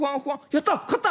「やった！